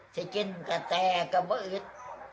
ที่กินกระแทก็ไม่อืด